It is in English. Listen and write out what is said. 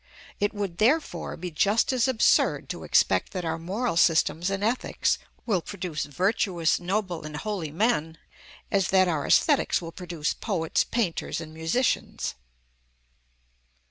It would, therefore, be just as absurd to expect that our moral systems and ethics will produce virtuous, noble, and holy men, as that our æsthetics will produce poets, painters, and musicians.